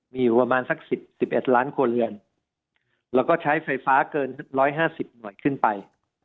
มีอยู่ประมาณสัก๑๑ล้านครัวเรือนแล้วก็ใช้ไฟฟ้าเกิน๑๕๐หน่วยขึ้นไป